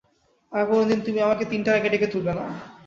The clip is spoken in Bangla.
আর কোনো দিন তুমি আমাকে তিনটার আগে ডেকে তুলবে না।